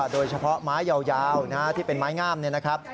โดยเฉพาะไม้ยาวที่เป็นไม้งามเนี่ยนะครับ